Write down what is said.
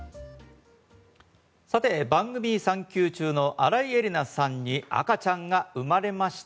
さて番組産休中の新井恵理那さんに赤ちゃんが生まれました。